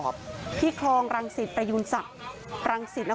พ่อแม่มาเห็นสภาพศพของลูกร้องไห้กันครับขาดใจ